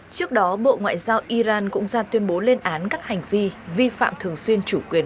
trước đó bộ ngoại giao iran cũng ra tuyên bố lên án các hành vi vi phạm thường xuyên chủ quyền